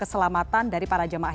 keselamatan dari para jemaah